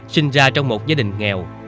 sinh ra trong một gia đình nghèo